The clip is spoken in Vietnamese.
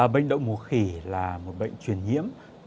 bệnh đậu mùa khỉ là một bệnh truyền nhiễm